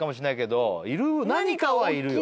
何かはいるよ。